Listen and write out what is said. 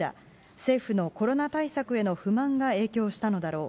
政府のコロナ対策への不満が影響したのだろう。